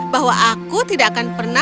bahwa aku tidak akan pernah